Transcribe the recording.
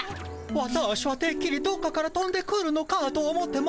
ワターシはてっきりどっかからとんでくるのかと思ってました。